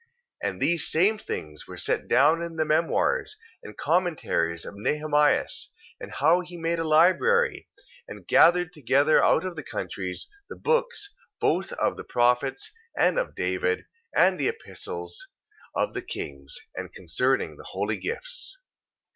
2:13. And these same things were set down in the memoirs, and commentaries of Nehemias: and how he made a library, and gathered together out of the countries, the books both of the prophets, and of David, and the epistles of the kings, and concerning the holy gifts.